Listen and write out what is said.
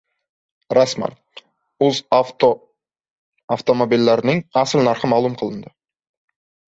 Rasman: UzAuto avtomobillarining «asl narxi» ma’lum qilindi